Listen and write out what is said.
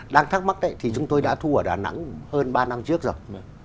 đang thắc mắc thì chúng tôi đã thu ở đà nẵng hơn ba năm trước rồi